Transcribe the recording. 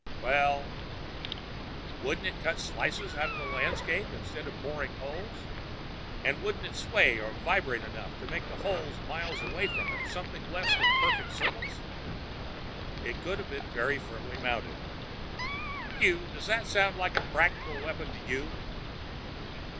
"Well " "Wouldn't it cut slices out of the landscape, instead of boring holes? And wouldn't it sway or vibrate enough to make the holes miles away from it something less than perfect circles?" "It could have been very firmly mounted." "Hugh, does that sound like a practical weapon to you?"